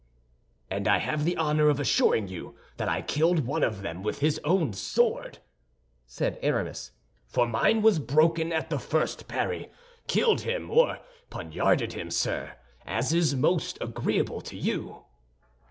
"And I have the honor of assuring you that I killed one of them with his own sword," said Aramis; "for mine was broken at the first parry. Killed him, or poniarded him, sir, as is most agreeable to you."